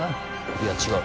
いや違う。